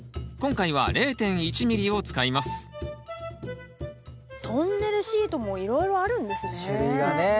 今回は０．１ｍｍを使いますトンネルシートもいろいろあるんですね。